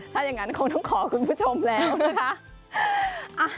ถ้าอย่างนั้นคงต้องขอคุณผู้ชมแล้วนะคะ